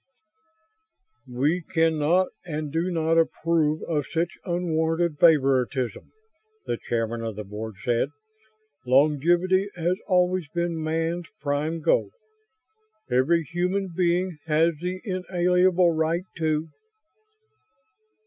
"We cannot and do not approve of such unwarranted favoritism," the Chairman of the Board said. "Longevity has always been man's prime goal. Every human being has the inalienable right to ..."